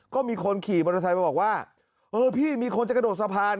ก็มีคนขี่บริษัทไปบอกว่าพี่มีคนจะกระโดดสะพาน